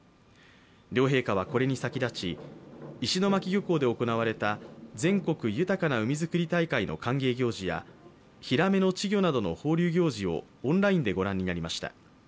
両陛下はこれに先立ち石巻漁港で行われた全国豊かな海づくり大会の歓迎行事やヒラメの稚魚などの放流行事をオンラインで御覧になりました。